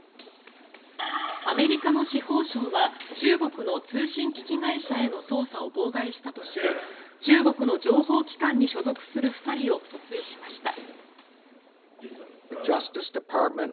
アメリカの司法省は中国の通信機器会社への捜査を妨害したとして中国の情報機関に所属する２人を訴追しました。